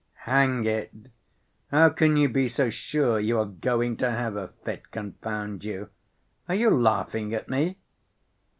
"Hang it! How can you be so sure you are going to have a fit, confound you? Are you laughing at me?"